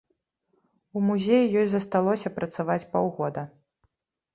У музеі ёй засталося працаваць паўгода.